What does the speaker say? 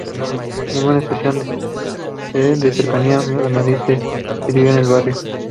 Ninguna estación de Cercanías Madrid da servicio al barrio.